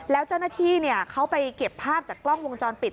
แล้วเจ้าหน้าที่เขาไปเก็บภาพจากกล้องวงจรปิด